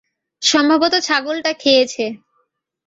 সম্ভবত ছাগলটা খেয়েছে।